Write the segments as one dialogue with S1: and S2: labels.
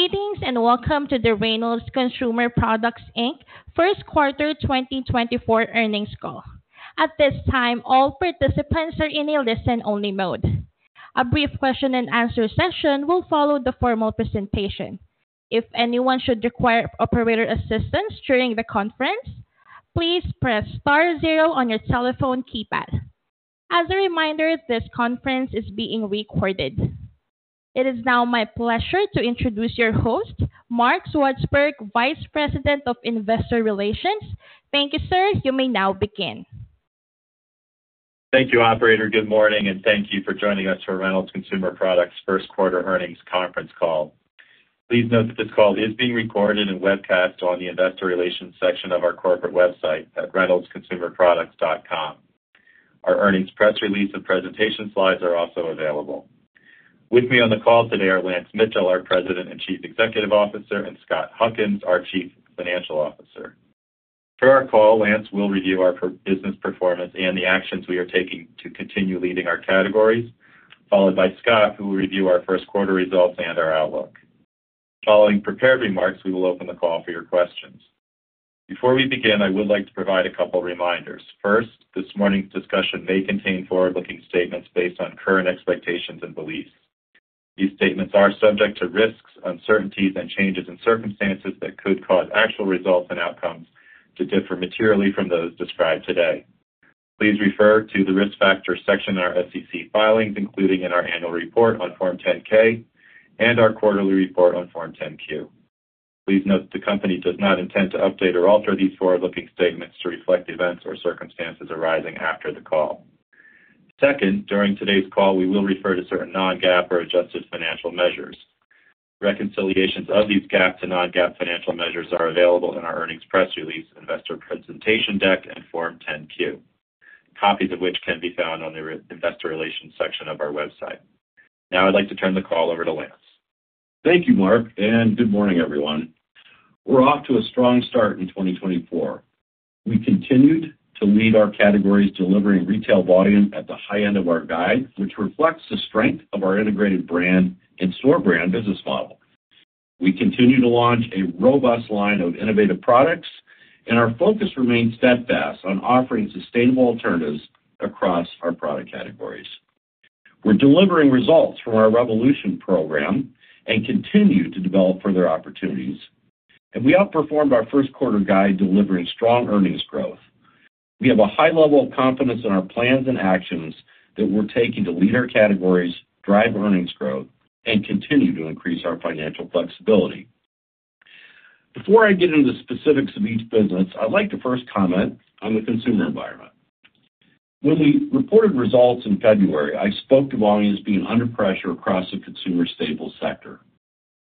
S1: Greetings, and welcome to the Reynolds Consumer Products, Inc. first quarter 2024 earnings call. At this time, all participants are in a listen-only mode. A brief question and answer session will follow the formal presentation. If anyone should require operator assistance during the conference, please press star zero on your telephone keypad. As a reminder, this conference is being recorded. It is now my pleasure to introduce your host, Mark Swartzberg, Vice President of investor relations. Thank you, sir. You may now begin.
S2: Thank you, operator. Good morning, and thank you for joining us for Reynolds Consumer Products first quarter earnings conference call. Please note that this call is being recorded and webcast on the investor relations section of our corporate website at reynoldsconsumerproducts.com. Our earnings press release and presentation slides are also available. With me on the call today are Lance Mitchell, our President and Chief Executive Officer, and Scott Huckins, our Chief Financial Officer. For our call, Lance will review our business performance and the actions we are taking to continue leading our categories, followed by Scott, who will review our first quarter results and our outlook. Following prepared remarks, we will open the call for your questions. Before we begin, I would like to provide a couple reminders. First, this morning's discussion may contain forward-looking statements based on current expectations and beliefs. These statements are subject to risks, uncertainties, and changes in circumstances that could cause actual results and outcomes to differ materially from those described today. Please refer to the Risk Factors section in our SEC filings, including in our annual report on Form 10-K and our quarterly report on Form 10-Q. Please note, the company does not intend to update or alter these forward-looking statements to reflect events or circumstances arising after the call. Second, during today's call, we will refer to certain non-GAAP or adjusted financial measures. Reconciliations of these GAAP to non-GAAP financial measures are available in our earnings press release, investor presentation deck, and Form 10-Q, copies of which can be found on the our investor relations section of our website. Now I'd like to turn the call over to Lance.
S3: Thank you, Mark, and good morning, everyone. We're off to a strong start in 2024. We continued to lead our categories, delivering retail volume at the high end of our guide, which reflects the strength of our integrated brand and store brand business model. We continue to launch a robust line of innovative products, and our focus remains steadfast on offering sustainable alternatives across our product categories. We're delivering results from our Revolution program and continue to develop further opportunities, and we outperformed our first quarter guide, delivering strong earnings growth. We have a high level of confidence in our plans and actions that we're taking to lead our categories, drive earnings growth, and continue to increase our financial flexibility. Before I get into the specifics of each business, I'd like to first comment on the consumer environment. When we reported results in February, I spoke to volume as being under pressure across the consumer staples sector.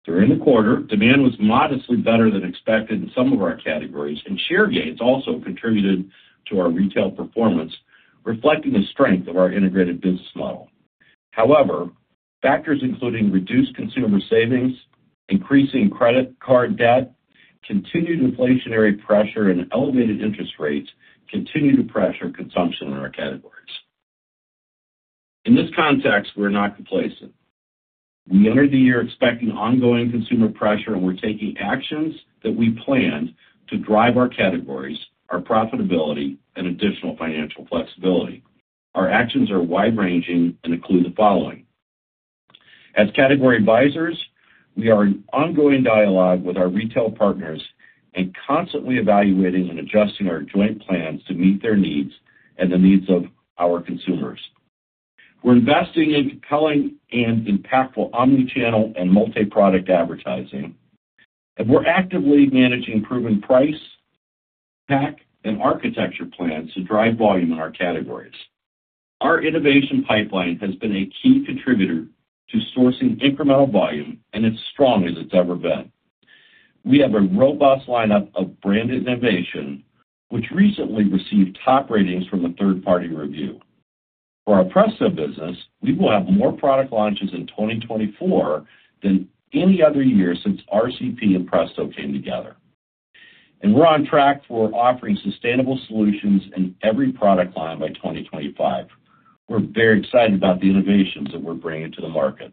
S3: During the quarter, demand was modestly better than expected in some of our categories, and share gains also contributed to our retail performance, reflecting the strength of our integrated business model. However, factors including reduced consumer savings, increasing credit card debt, continued inflationary pressure, and elevated interest rates continue to pressure consumption in our categories. In this context, we're not complacent. We entered the year expecting ongoing consumer pressure, and we're taking actions that we planned to drive our categories, our profitability, and additional financial flexibility. Our actions are wide-ranging and include the following. As category advisors, we are in ongoing dialogue with our retail partners and constantly evaluating and adjusting our joint plans to meet their needs and the needs of our consumers. We're investing in compelling and impactful omni-channel and multi-product advertising, and we're actively managing proven price, pack, and architecture plans to drive volume in our categories. Our innovation pipeline has been a key contributor to sourcing incremental volume and as strong as it's ever been. We have a robust lineup of branded innovation, which recently received top ratings from a third-party review. For our Presto business, we will have more product launches in 2024 than any other year since RCP and Presto came together. And we're on track for offering sustainable solutions in every product line by 2025. We're very excited about the innovations that we're bringing to the market.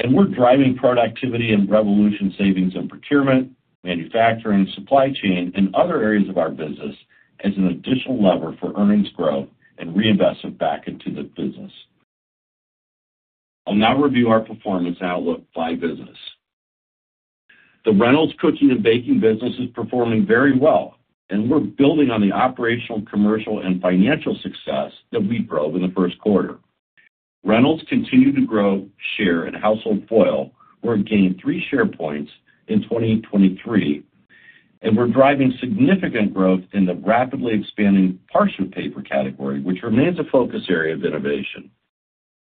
S3: And we're driving productivity and Revolution savings in procurement, manufacturing, supply chain, and other areas of our business as an additional lever for earnings growth and reinvest it back into the business. I'll now review our performance outlook by business. The Reynolds Cooking and Baking business is performing very well, and we're building on the operational, commercial, and financial success that we drove in the first quarter. Reynolds continued to grow share in household foil. We've gained three share points in 2023, and we're driving significant growth in the rapidly expanding parchment paper category, which remains a focus area of innovation.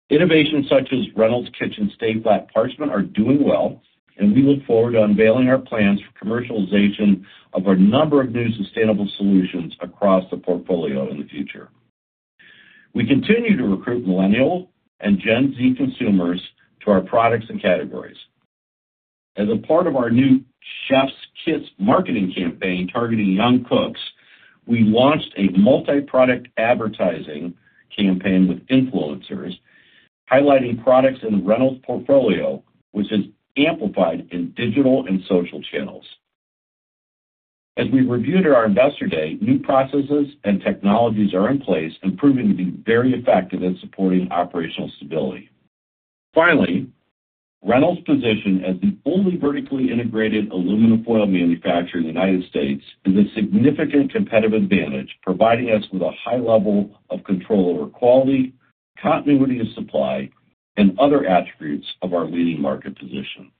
S3: Innovations such as Reynolds Kitchens Stay Flat Parchment are doing well, and we look forward to unveiling our plans for commercialization of a number of new sustainable solutions across the portfolio in the future. We continue to recruit Millennial and Gen Z consumers to our products and categories.... As a part of our new Chef's Kiss marketing campaign targeting young cooks, we launched a multiproduct advertising campaign with influencers, highlighting products in the Reynolds portfolio, which is amplified in digital and social channels. As we reviewed at our Investor Day, new processes and technologies are in place and proving to be very effective in supporting operational stability. Finally, Reynolds' position as the only vertically integrated aluminum foil manufacturer in the United States is a significant competitive advantage, providing us with a high level of control over quality, continuity of supply, and other attributes of our leading market position.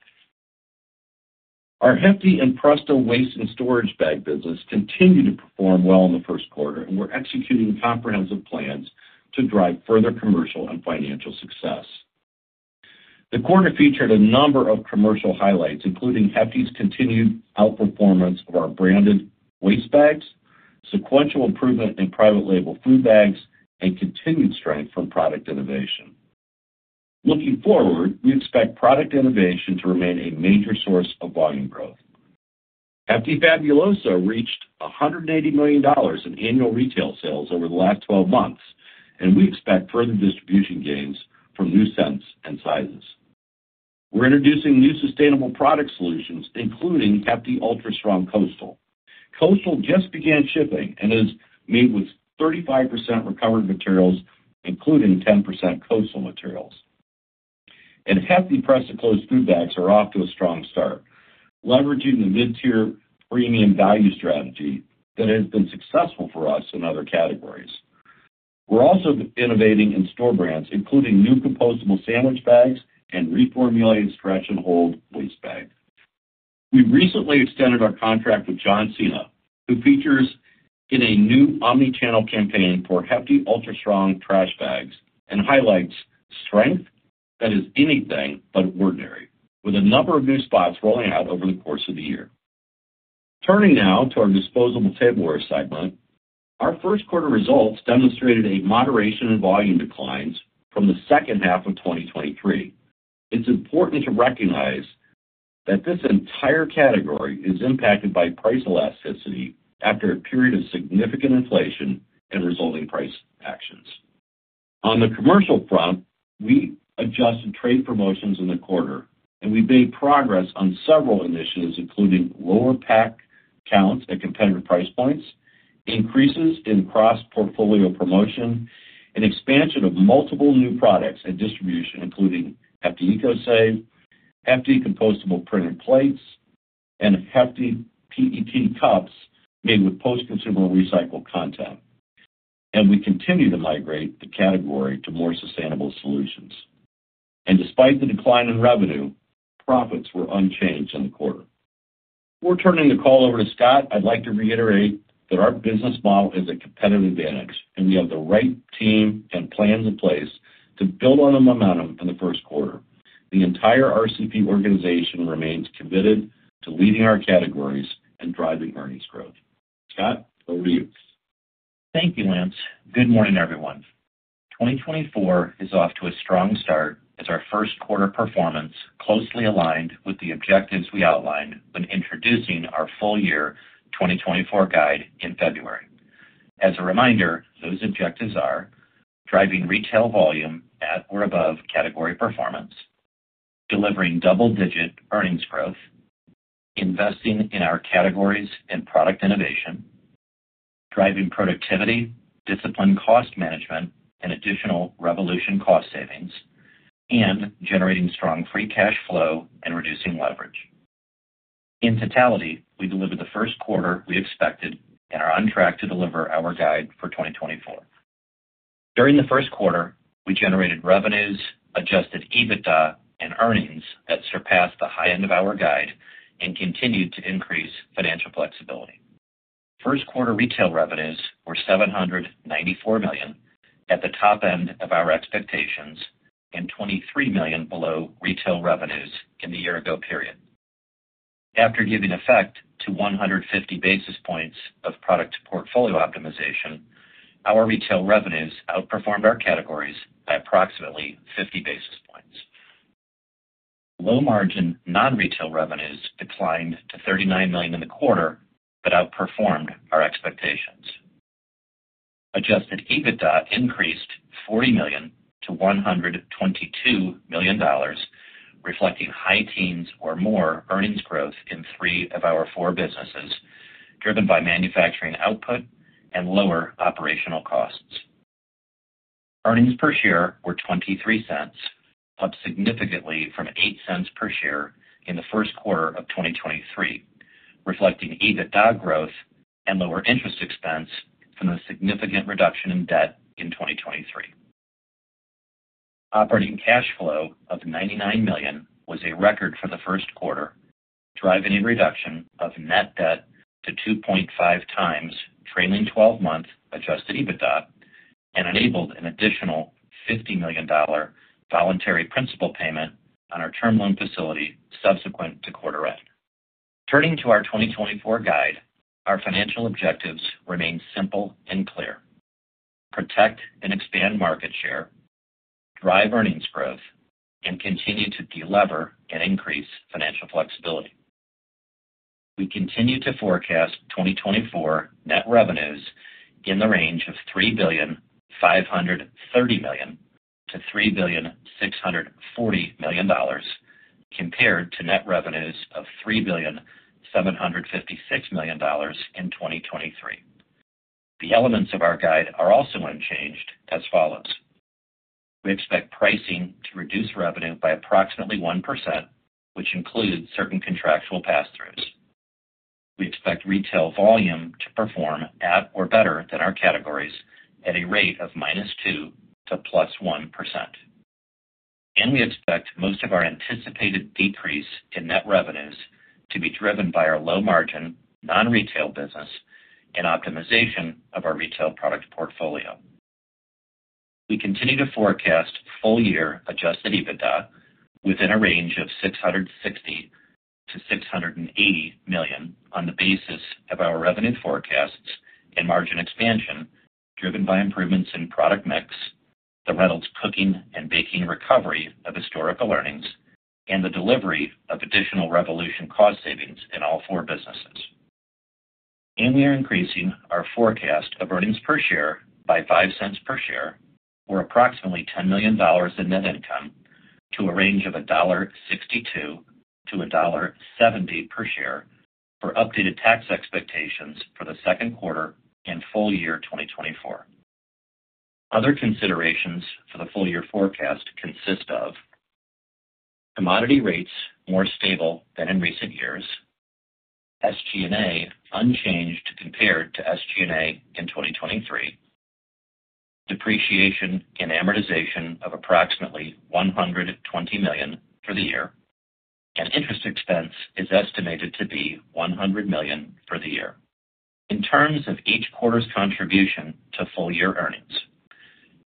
S3: Our Hefty and Presto waste and storage bag business continued to perform well in the first quarter, and we're executing comprehensive plans to drive further commercial and financial success. The quarter featured a number of commercial highlights, including Hefty's continued outperformance of our branded waste bags, sequential improvement in private label food bags, and continued strength from product innovation. Looking forward, we expect product innovation to remain a major source of volume growth. Hefty Fabuloso reached $180 million in annual retail sales over the last 12 months, and we expect further distribution gains from new scents and sizes. We're introducing new sustainable product solutions, including Hefty Ultra Strong Coastal. Coastal just began shipping and is made with 35% recovered materials, including 10% coastal materials. Hefty Press to Close food bags are off to a strong start, leveraging the mid-tier premium value strategy that has been successful for us in other categories. We're also innovating in store brands, including new compostable sandwich bags and reformulated Stretch and Hold waste bag. We recently extended our contract with John Cena, who features in a new omni-channel campaign for Hefty Ultra Strong trash bags and highlights strength that is anything but ordinary, with a number of new spots rolling out over the course of the year. Turning now to our disposable tableware segment. Our first quarter results demonstrated a moderation in volume declines from the second half of 2023. It's important to recognize that this entire category is impacted by price elasticity after a period of significant inflation and resulting price actions. On the commercial front, we adjusted trade promotions in the quarter, and we made progress on several initiatives, including lower pack counts at competitive price points, increases in cross-portfolio promotion, and expansion of multiple new products and distribution, including Hefty ECOSAVE, Hefty Compostable Printed Plates, and Hefty PET cups made with post-consumer recycled content. We continue to migrate the category to more sustainable solutions. Despite the decline in revenue, profits were unchanged in the quarter. Before turning the call over to Scott, I'd like to reiterate that our business model is a competitive advantage, and we have the right team and plans in place to build on the momentum in the first quarter. The entire RCP organization remains committed to leading our categories and driving earnings growth. Scott, over to you.
S4: Thank you, Lance. Good morning, everyone. 2024 is off to a strong start as our first quarter performance closely aligned with the objectives we outlined when introducing our full year 2024 guide in February. As a reminder, those objectives are: driving retail volume at or above category performance, delivering double-digit earnings growth, investing in our categories and product innovation, driving productivity, disciplined cost management, and additional Revolution cost savings, and generating strong Free cash flow and reducing leverage. In totality, we delivered the first quarter we expected and are on track to deliver our guide for 2024. During the first quarter, we generated revenues, Adjusted EBITDA, and earnings that surpassed the high end of our guide and continued to increase financial flexibility. First quarter retail revenues were $794 million, at the top end of our expectations, and $23 million below retail revenues in the year-ago period. After giving effect to 150 basis points of product portfolio optimization, our retail revenues outperformed our categories by approximately 50 basis points. Low-margin, non-retail revenues declined to $39 million in the quarter, but outperformed our expectations. Adjusted EBITDA increased $40 million-$122 million, reflecting high teens or more earnings growth in three of our four businesses, driven by manufacturing output and lower operational costs. Earnings per share were $0.23, up significantly from $0.08 per share in the first quarter of 2023, reflecting EBITDA growth and lower interest expense from the significant reduction in debt in 2023. Operating cash flow of $99 million was a record for the first quarter, driving a reduction of net debt to 2.5x trailing 12-month Adjusted EBITDA and enabled an additional $50 million voluntary principal payment on our term loan facility subsequent to quarter end. Turning to our 2024 guide, our financial objectives remain simple and clear: protect and expand market share, drive earnings growth, and continue to delever and increase financial flexibility. We continue to forecast 2024 net revenues in the range of $3.53 billion-$3.64 billion, compared to net revenues of $3,756,000,000 in 2023. The elements of our guide are also unchanged as follows: We expect pricing to reduce revenue by approximately 1%, which includes certain contractual pass-throughs. We expect retail volume to perform at or better than our categories at a rate of -2% to +1%. We expect most of our anticipated decrease in net revenues to be driven by our low margin, non-retail business and optimization of our retail product portfolio. We continue to forecast full-year Adjusted EBITDA within a range of $660 million-$680 million on the basis of our revenue forecasts and margin expansion, driven by improvements in product mix, the Reynolds Cooking and Baking recovery of historical earnings, and the delivery of additional Revolution cost savings in all four businesses. We are increasing our forecast of earnings per share by $0.05 per share, or approximately $10 million in net income, to a range of $1.62-$1.70 per share for updated tax expectations for the second quarter and full year 2024. Other considerations for the full year forecast consist of: commodity rates more stable than in recent years, SG&A unchanged compared to SG&A in 2023, depreciation and amortization of approximately $120 million for the year, and interest expense is estimated to be $100 million for the year. In terms of each quarter's contribution to full-year earnings,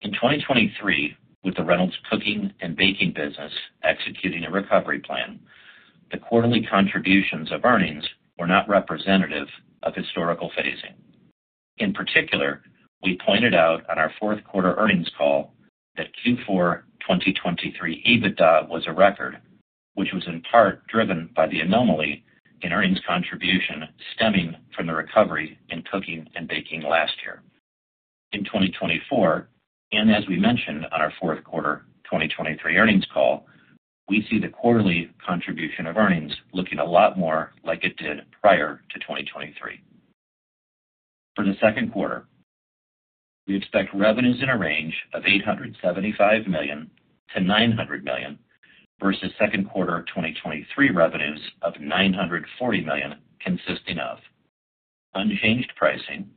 S4: in 2023, with the Reynolds Cooking and Baking business executing a recovery plan, the quarterly contributions of earnings were not representative of historical phasing. In particular, we pointed out on our fourth quarter earnings call that Q4 2023 EBITDA was a record, which was in part driven by the anomaly in earnings contribution stemming from the recovery in cooking and baking last year. In 2024, and as we mentioned on our fourth quarter 2023 earnings call, we see the quarterly contribution of earnings looking a lot more like it did prior to 2023. For the second quarter, we expect revenues in a range of $875 million-$900 million versus second quarter 2023 revenues of $940 million, consisting of unchanged pricing,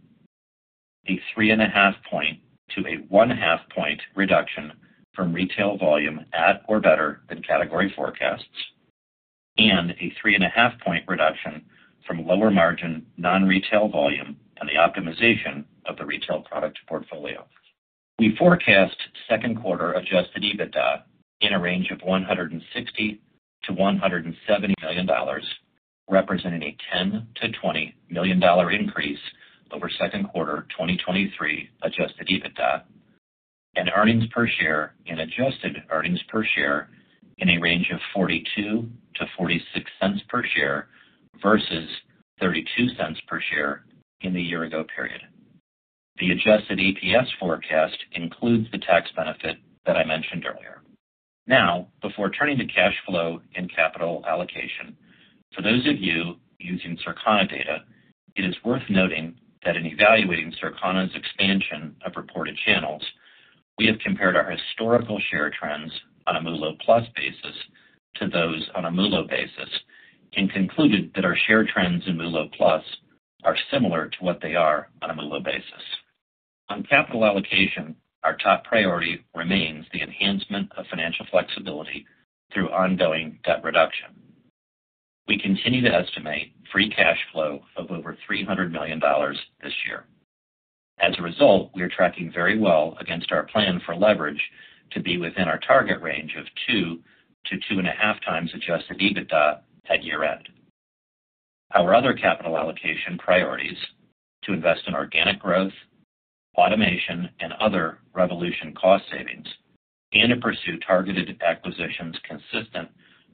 S4: a 3.5-point to a 0.5-point reduction from retail volume at or better than category forecasts, and a 3.5-point reduction from lower margin, non-retail volume, and the optimization of the retail product portfolio. We forecast second quarter adjusted EBITDA in a range of $160 million-$170 million, representing a $10 million-$20 million increase over second quarter 2023 adjusted EBITDA and earnings per share and adjusted earnings per share in a range of $0.42-$0.46 per share, versus $0.32 per share in the year ago period. The adjusted EPS forecast includes the tax benefit that I mentioned earlier. Now, before turning to cash flow and capital allocation, for those of you using Circana data, it is worth noting that in evaluating Circana's expansion of reported channels, we have compared our historical share trends on a MULO Plus basis to those on a MULO basis, and concluded that our share trends in MULO Plus are similar to what they are on a MULO basis. On capital allocation, our top priority remains the enhancement of financial flexibility through ongoing debt reduction. We continue to estimate free cash flow of over $300 million this year. As a result, we are tracking very well against our plan for leverage to be within our target range of 2-2.5 times Adjusted EBITDA at year-end. Our other capital allocation priorities to invest in organic growth, automation, and other Revolution cost savings, and to pursue targeted acquisitions consistent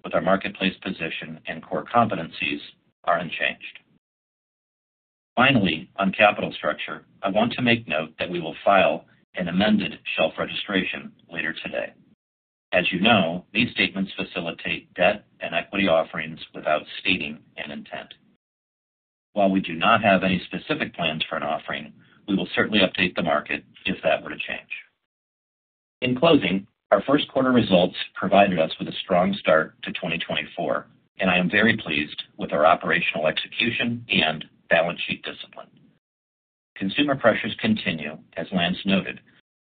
S4: with our marketplace position and core competencies are unchanged. Finally, on capital structure, I want to make note that we will file an amended shelf registration later today. As you know, these statements facilitate debt and equity offerings without stating an intent. While we do not have any specific plans for an offering, we will certainly update the market if that were to change. In closing, our first quarter results provided us with a strong start to 2024, and I am very pleased with our operational execution and balance sheet discipline. Consumer pressures continue, as Lance noted,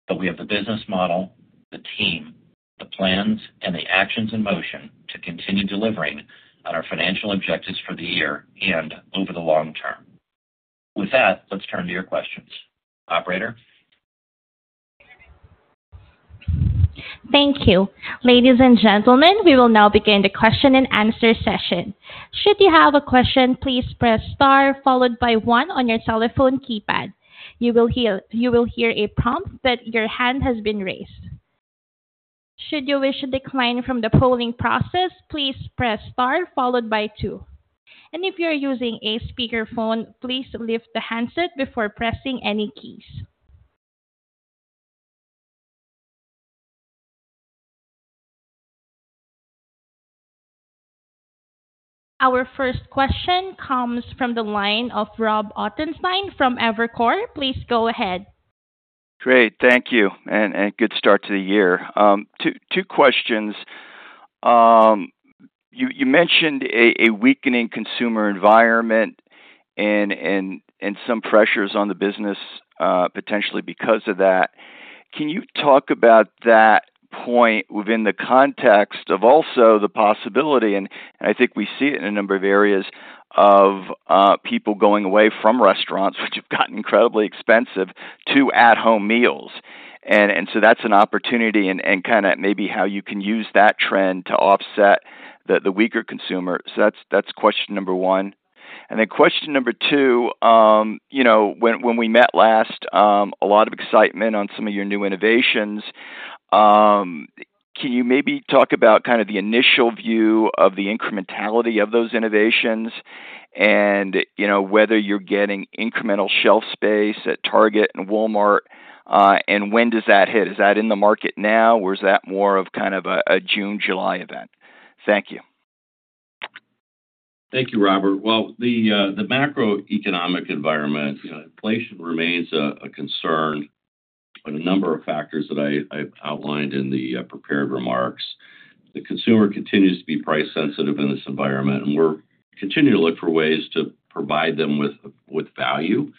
S4: but we have the business model, the team, the plans, and the actions in motion to continue delivering on our financial objectives for the year and over the long term. With that, let's turn to your questions. Operator?
S1: Thank you. Ladies and gentlemen, we will now begin the question and answer session. Should you have a question, please press star followed by one on your telephone keypad. You will hear a prompt that your hand has been raised. Should you wish to decline from the polling process, please press star followed by two. And if you are using a speakerphone, please lift the handset before pressing any keys. Our first question comes from the line of Rob Ottenstein from Evercore. Please go ahead.
S5: Great, thank you, and good start to the year. Two questions. You mentioned a weakening consumer environment and some pressures on the business, potentially because of that. Can you talk about that point within the context of also the possibility, and I think we see it in a number of areas, of people going away from restaurants, which have gotten incredibly expensive, to at-home meals? And so that's an opportunity and kinda maybe how you can use that trend to offset the weaker consumer. So that's question number one. And then question number two, you know, when we met last, a lot of excitement on some of your new innovations. Can you maybe talk about kind of the initial view of the incrementality of those innovations and, you know, whether you're getting incremental shelf space at Target and Walmart, and when does that hit? Is that in the market now, or is that more of kind of a June, July event? Thank you.
S3: Thank you, Robert. Well, the macroeconomic environment, you know, inflation remains a concern, but a number of factors that I outlined in the prepared remarks, the consumer continues to be price sensitive in this environment, and we're continuing to look for ways to provide them with value.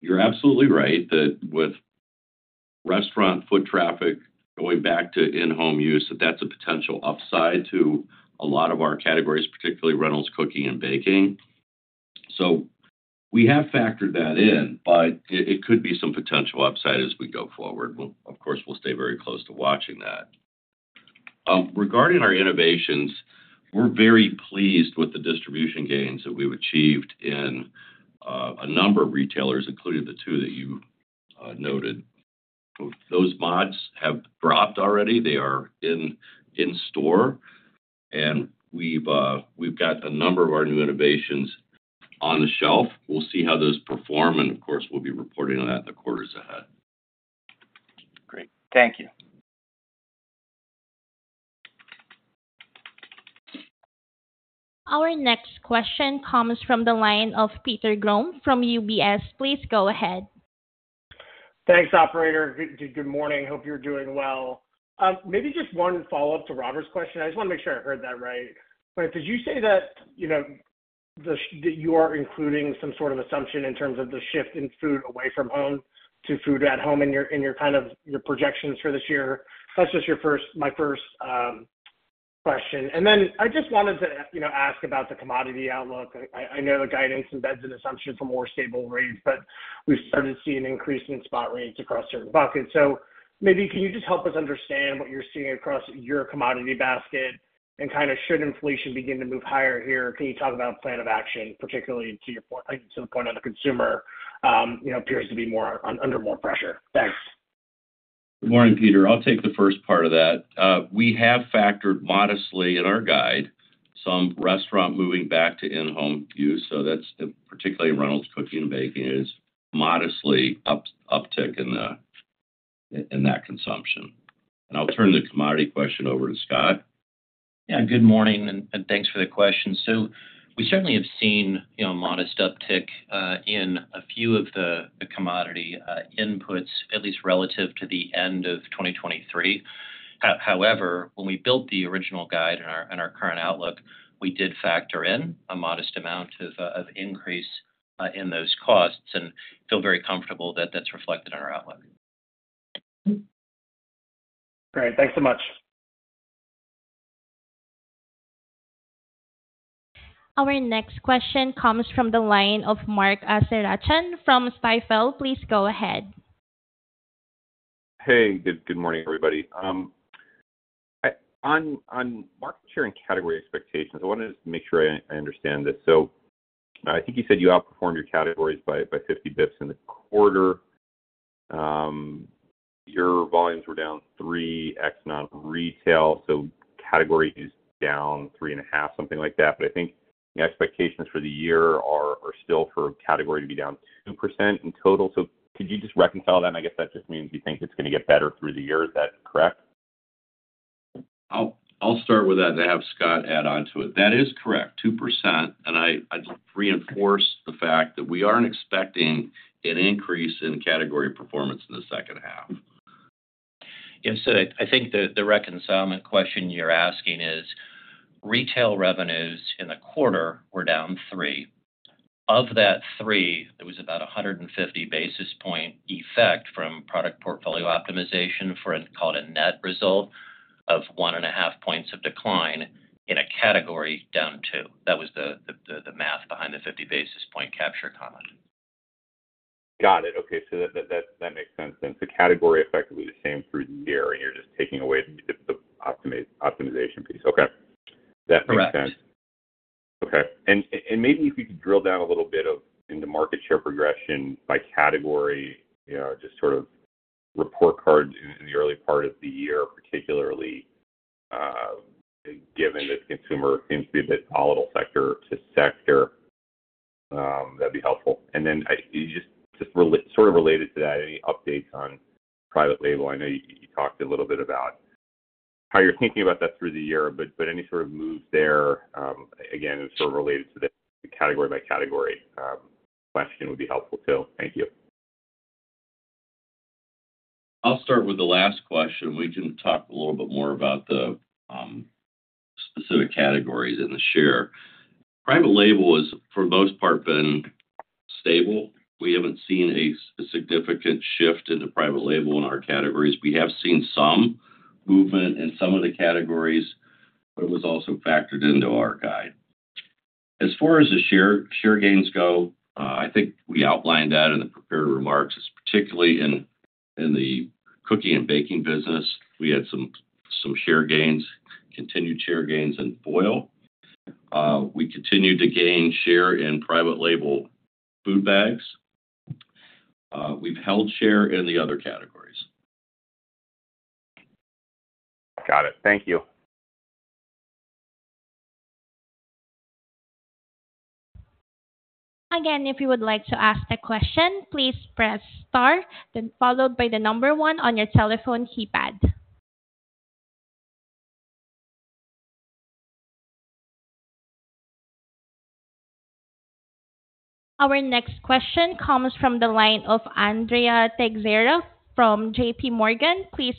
S3: You're absolutely right that with restaurant foot traffic going back to in-home use, that's a potential upside to a lot of our categories, particularly Reynolds Cooking and Baking. So we have factored that in, but it could be some potential upside as we go forward. We'll. Of course, we'll stay very close to watching that. Regarding our innovations, we're very pleased with the distribution gains that we've achieved in a number of retailers, including the two that you noted. Those mods have dropped already. They are in store, and we've got a number of our new innovations on the shelf. We'll see how those perform, and of course, we'll be reporting on that in the quarters ahead.
S5: Great. Thank you.
S1: Our next question comes from the line of Peter Grom from UBS. Please go ahead.
S6: Thanks, operator. Good morning. Hope you're doing well. Maybe just one follow-up to Robert's question. I just wanna make sure I heard that right. But did you say that, you know, that you are including some sort of assumption in terms of the shift in food away from home to food at home in your, in your kind of, your projections for this year? That's just my first question. And then I just wanted to, you know, ask about the commodity outlook. I know the guidance embeds an assumption for more stable rates, but we've started to see an increase in spot rates across certain buckets. So maybe can you just help us understand what you're seeing across your commodity basket? Kinda, should inflation begin to move higher here, can you talk about plan of action, particularly to your point—to the point on the consumer, you know, appears to be more... under more pressure. Thanks.
S3: Good morning, Peter. I'll take the first part of that. We have factored modestly in our guide, some restaurant moving back to in-home use, so that's particularly Reynolds Cooking and Baking, is modestly uptick in that consumption. And I'll turn the commodity question over to Scott.
S4: Yeah, good morning, and thanks for the question. So we certainly have seen, you know, modest uptick in a few of the commodity inputs, at least relative to the end of 2023. However, when we built the original guide and our current outlook, we did factor in a modest amount of increase in those costs and feel very comfortable that that's reflected in our outlook.
S6: Great. Thanks so much.
S1: Our next question comes from the line of Mark Astrachan from Stifel. Please go ahead.
S7: Hey, good morning, everybody. On market share and category expectations, I wanted to make sure I understand this. So I think you said you outperformed your categories by 50 basis points in the quarter. Your volumes were down 3 ex non-retail, so category is down 3.5, something like that. But I think the expectations for the year are still for category to be down 2% in total. So could you just reconcile that? And I guess that just means you think it's gonna get better through the year. Is that correct?
S3: I'll start with that, and have Scott add on to it. That is correct, 2%, and I'd reinforce the fact that we aren't expecting an increase in category performance in the second half.
S4: Yeah, so I think the reconciliation question you're asking is, retail revenues in the quarter were down 3. Of that 3, there was about a 150 basis point effect from product portfolio optimization for a, call it, a net result of 1.5 points of decline in a category down 2. That was the math behind the 50 basis point capture comment.
S8: Got it. Okay, so that makes sense then. The category effectively the same through the year, and you're just taking away the optimization piece. Okay.
S3: Correct.
S7: That makes sense. Okay. And, and maybe if you could drill down a little bit of in the market share progression by category, you know, just sort of report card in, in the early part of the year, particularly, given that consumer seems to be a bit volatile sector to sector, that'd be helpful. And then just sort of related to that, any updates on private label? I know you talked a little bit about how you're thinking about that through the year, but, but any sort of moves there, again, sort of related to the category by category question would be helpful, too. Thank you.
S3: I'll start with the last question. We can talk a little bit more about the specific categories in the share. Private label has, for the most part, been stable. We haven't seen a significant shift in the private label in our categories. We have seen some movement in some of the categories, but it was also factored into our guide. As far as the share, share gains go, I think we outlined that in the prepared remarks, particularly in the cooking and baking business, we had some share gains, continued share gains in foil. We continued to gain share in private label food bags. We've held share in the other categories.
S7: Got it. Thank you.
S1: Again, if you would like to ask a question, please press star, then followed by the number one on your telephone keypad. Our next question comes from the line of Andrea Teixeira from JPMorgan. Please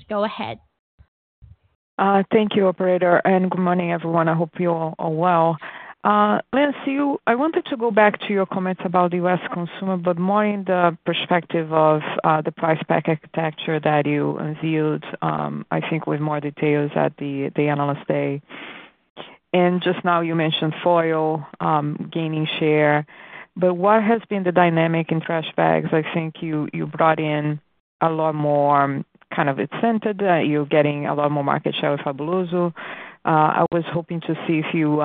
S1: go ahead.
S9: Thank you, operator, and good morning, everyone. I hope you're all well. Lance, you, I wanted to go back to your comments about the U.S. consumer, but more in the perspective of the price pack architecture that you unveiled, I think with more details at the Analyst Day. And just now you mentioned foil gaining share, but what has been the dynamic in trash bags? I think you brought in a lot more kind of incentive. You're getting a lot more market share with Fabuloso. I was hoping to see if you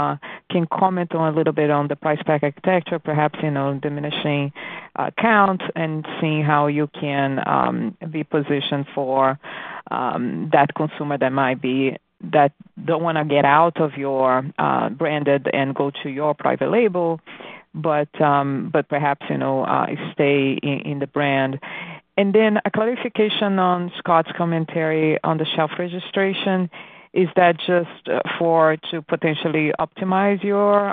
S9: can comment on a little bit on the price pack architecture, perhaps, you know, diminishing counts and seeing how you can be positioned for that consumer that might be that don't wanna get out of your branded and go to your private label, but, but perhaps, you know, stay in the brand. And then a clarification on Scott's commentary on the shelf registration. Is that just for to potentially optimize your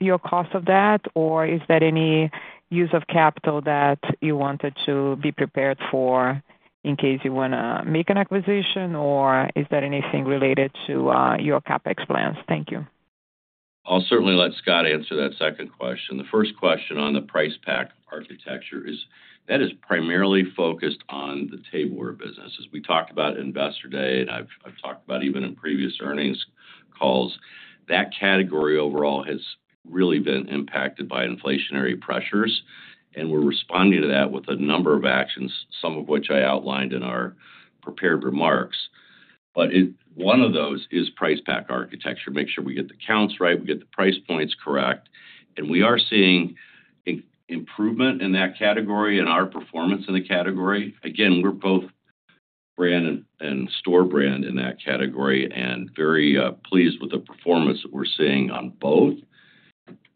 S9: your cost of that? Or is there any use of capital that you wanted to be prepared for in case you wanna make an acquisition, or is there anything related to your CapEx plans? Thank you.
S3: I'll certainly let Scott answer that second question. The first question on the price pack architecture is, that is primarily focused on the tableware business. As we talked about Investor Day, and I've, I've talked about even in previous earnings calls, that category overall has really been impacted by inflationary pressures, and we're responding to that with a number of actions, some of which I outlined in our prepared remarks. But it, one of those is price pack architecture. Make sure we get the counts right, we get the price points correct, and we are seeing an improvement in that category and our performance in the category. Again, we're both brand and, and store brand in that category and very pleased with the performance that we're seeing on both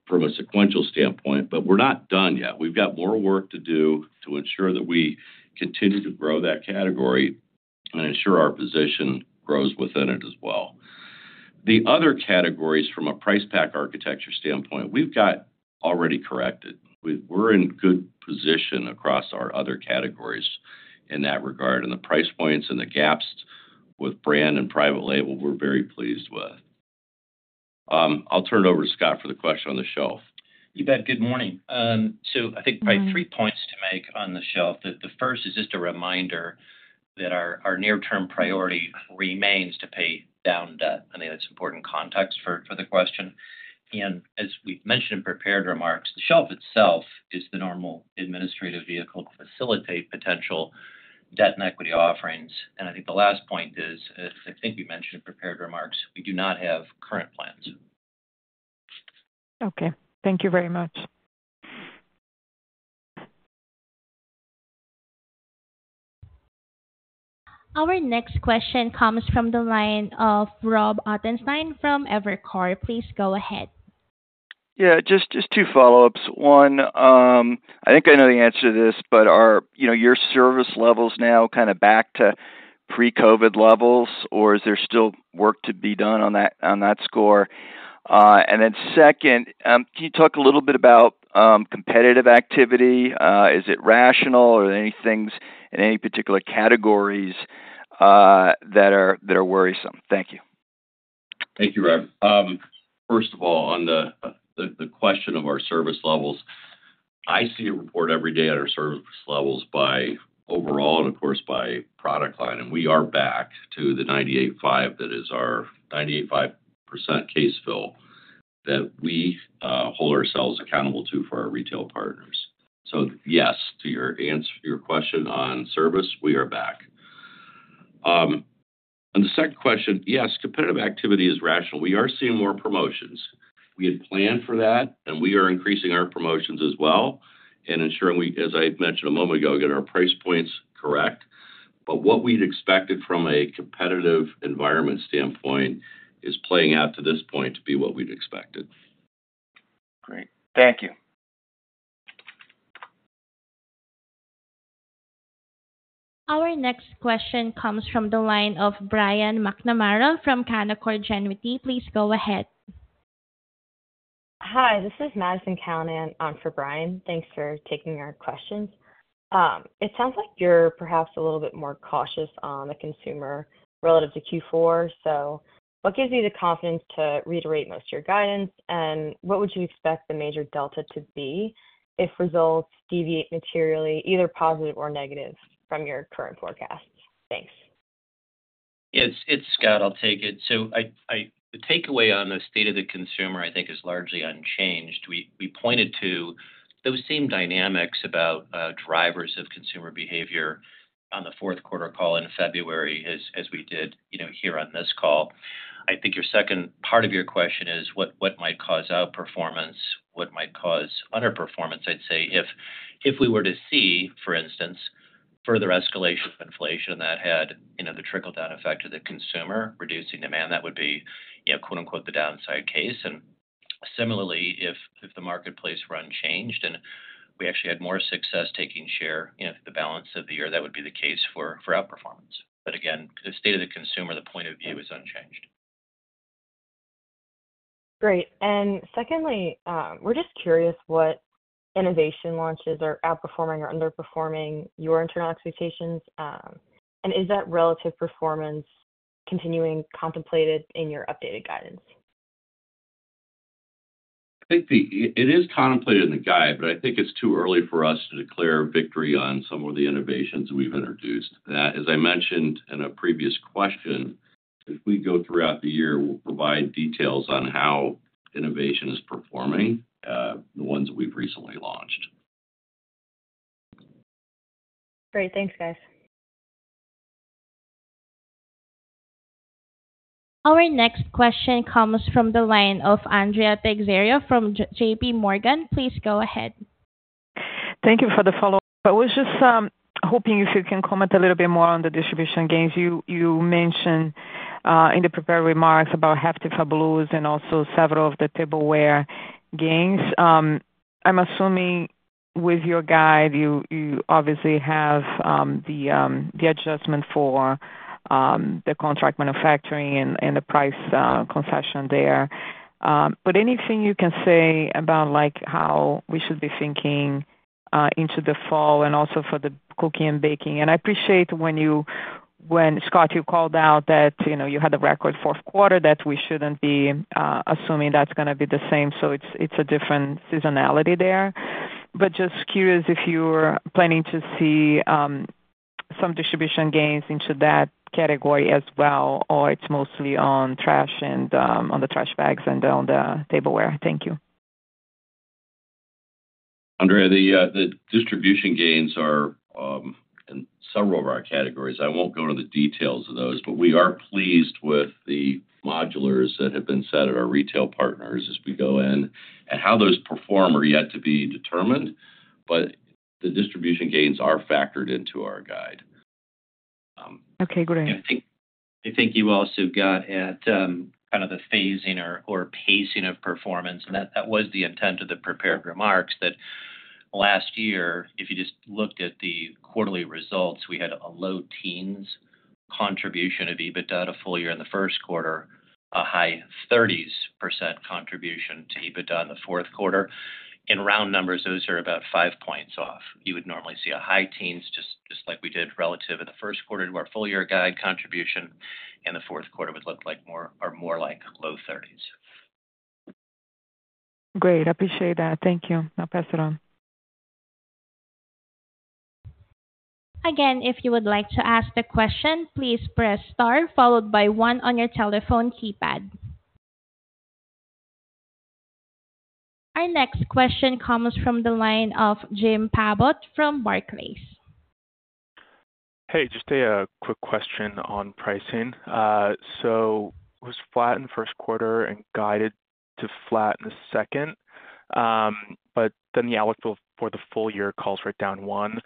S3: from a sequential standpoint, but we're not done yet. We've got more work to do to ensure that we continue to grow that category and ensure our position grows within it as well. The other categories from a price pack architecture standpoint, we've got already corrected. We're in good position across our other categories in that regard, and the price points and the gaps with brand and private label, we're very pleased with. I'll turn it over to Scott for the question on the shelf.
S4: You bet. Good morning. So I think probably three points to make on the shelf. The first is just a reminder that our near-term priority remains to pay down debt. I think that's important context for the question. And as we've mentioned in prepared remarks, the shelf itself is the normal administrative vehicle to facilitate potential debt and equity offerings. And I think the last point is, as I think we mentioned in prepared remarks, we do not have current plans.
S9: Okay. Thank you very much.
S1: Our next question comes from the line of Rob Ottenstein from Evercore. Please go ahead.
S5: Yeah, just, just two follow-ups. One, I think I know the answer to this, but are, you know, your service levels now kind of back to pre-COVID levels, or is there still work to be done on that, on that score? And then second, can you talk a little bit about competitive activity? Is it rational, or are there any things in any particular categories, that are, that are worrisome? Thank you.
S3: Thank you, Rob. First of all, on the question of our service levels, I see a report every day on our service levels by overall and of course, by product line, and we are back to the 98.5. That is our 98.5% case fill that we hold ourselves accountable to for our retail partners. So yes, to your answer, your question on service, we are back. On the second question, yes, competitive activity is rational. We are seeing more promotions. We had planned for that, and we are increasing our promotions as well and ensuring we, as I mentioned a moment ago, get our price points correct. But what we'd expected from a competitive environment standpoint is playing out to this point to be what we'd expected.
S5: Great. Thank you.
S1: Our next question comes from the line of Brian McNamara from Canaccord Genuity. Please go ahead.
S10: Hi, this is Madison Callinan, for Brian. Thanks for taking our questions. It sounds like you're perhaps a little bit more cautious on the consumer relative to Q4. So what gives you the confidence to reiterate most of your guidance, and what would you expect the major delta to be if results deviate materially, either positive or negative from your current forecasts? Thanks.
S4: It's Scott. I'll take it. So the takeaway on the state of the consumer, I think, is largely unchanged. We pointed to those same dynamics about drivers of consumer behavior on the fourth quarter call in February, as we did, you know, here on this call. I think your second part of your question is what might cause outperformance, what might cause underperformance? I'd say if we were to see, for instance, further escalation of inflation that had, you know, the trickle-down effect to the consumer, reducing demand, that would be, you know, quote-unquote, "the downside case." And similarly, if the marketplace run changed and we actually had more success taking share, you know, through the balance of the year, that would be the case for outperformance. But again, the state of the consumer, the point of view is unchanged.
S10: Great. And secondly, we're just curious what innovation launches are outperforming or underperforming your internal expectations, and is that relative performance continuing contemplated in your updated guidance?
S3: I think it is contemplated in the guide, but I think it's too early for us to declare victory on some of the innovations we've introduced. That, as I mentioned in a previous question, as we go throughout the year, we'll provide details on how innovation is performing, the ones we've recently launched.
S10: Great. Thanks, guys.
S1: Our next question comes from the line of Andrea Teixeira from JPMorgan. Please go ahead.
S9: Thank you for the follow-up. I was just hoping if you can comment a little bit more on the distribution gains. You mentioned in the prepared remarks about half the Fabuloso and also several of the tableware gains. I'm assuming with your guide, you obviously have the adjustment for the contract manufacturing and the price concession there. But anything you can say about, like, how we should be thinking into the fall and also for the cooking and baking? And I appreciate when you, Scott, you called out that, you know, you had a record fourth quarter, that we shouldn't be assuming that's gonna be the same, so it's a different seasonality there. Just curious if you're planning to see some distribution gains into that category as well, or it's mostly on trash and on the trash bags and on the tableware. Thank you.
S3: Andrea, the distribution gains are in several of our categories. I won't go into the details of those, but we are pleased with the modulars that have been set at our retail partners as we go in, and how those perform are yet to be determined, but the distribution gains are factored into our guide. Okay, great.
S4: I think, I think you also got at, kind of the phasing or, or pacing of performance, and that, that was the intent of the prepared remarks. That last year, if you just looked at the quarterly results, we had a low teens contribution of EBITDA to full year in the first quarter, a high 30s% contribution to EBITDA in the fourth quarter. In round numbers, those are about 5 points off. You would normally see a high teens, just, just like we did relative in the first quarter to our full year guide contribution, and the fourth quarter would look like more, or more like low 30s.
S9: Great, I appreciate that. Thank you. I'll pass it on.
S1: Again, if you would like to ask a question, please press star followed by one on your telephone keypad. Our next question comes from the line of Jim Abbott from Barclays.
S11: Hey, just a quick question on pricing. So it was flat in the first quarter and guided to flat in the second. But then the outlook for the full year calls right down one,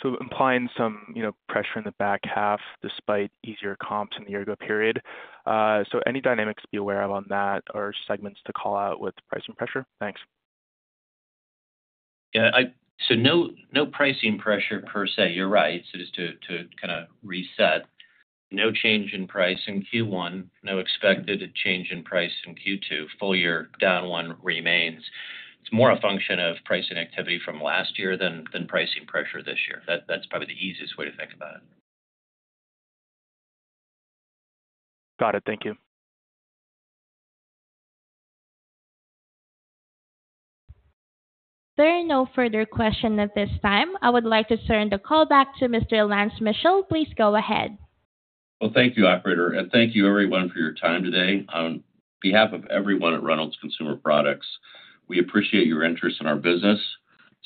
S11: so implying some, you know, pressure in the back half, despite easier comps in the year ago period. So any dynamics to be aware of on that or segments to call out with pricing pressure? Thanks.
S3: Yeah. So no, no pricing pressure per se. You're right. So just to kind of reset, no change in price in Q1, no expected change in price in Q2. Full year down 1 remains. It's more a function of pricing activity from last year than pricing pressure this year. That's probably the easiest way to think about it.
S11: Got it. Thank you.
S1: There are no further questions at this time. I would like to turn the call back to Mr. Lance Mitchell. Please go ahead.
S3: Well, thank you, operator, and thank you everyone for your time today. On behalf of everyone at Reynolds Consumer Products, we appreciate your interest in our business.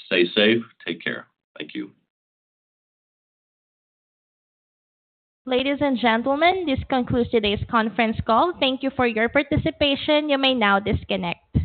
S3: Stay safe. Take care. Thank you.
S1: Ladies and gentlemen, this concludes today's conference call. Thank you for your participation. You may now disconnect.